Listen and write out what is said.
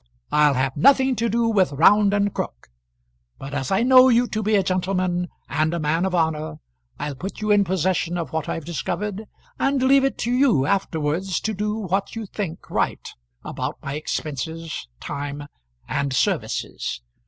I'll have nothing to do with Round and Crook; but as I know you to be a gentleman and a man of honour, I'll put you in possession of what I've discovered, and leave it to you afterwards to do what you think right about my expenses, time, and services.